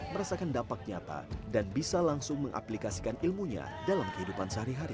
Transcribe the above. merasakan dapat nyata dan bisa langsung mengaplikasikan ilmunya dalam kehidupan sehari hari